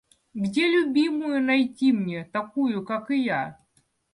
Где любимую найти мне, такую, как и я?